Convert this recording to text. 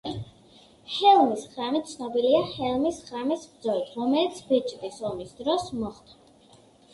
ჰელმის ხრამი ცნობილია ჰელმის ხრამის ბრძოლით, რომელიც ბეჭდის ომის დროს მოხდა.